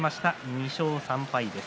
２勝３敗です。